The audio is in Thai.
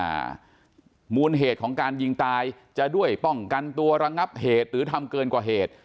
มูลเหตุของการยิงตายจะด้วยป้องกันตัวระงับเหตุหรือทำเกินกว่าเหตุ